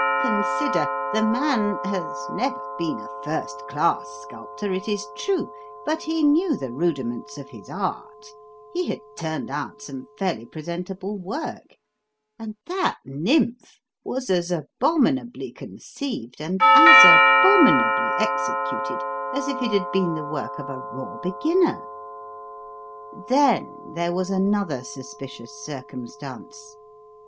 Consider: the man has never been a first class sculptor, it is true, but he knew the rudiments of his art, he had turned out some fairly presentable work; and that nymph was as abominably conceived and as abominably executed as if it had been the work of a raw beginner. Then there was another suspicious circumstance.